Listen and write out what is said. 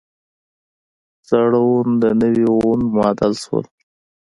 زاړه وون د نوي وون معادل شول.